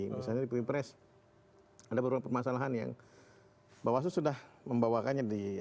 misalnya di pilpres ada beberapa permasalahan yang bawaslu sudah membawakannya di